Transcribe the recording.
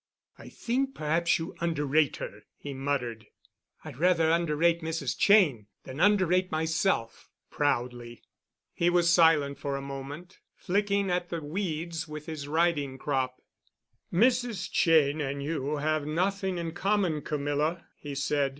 "I think perhaps you underrate her," he muttered. "I'd rather underrate Mrs. Cheyne than underrate myself," proudly. He was silent for a moment, flicking at the weeds with his riding crop. "Mrs. Cheyne and you have nothing in common, Camilla," he said.